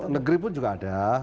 negeri pun juga ada